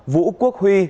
vũ quốc huy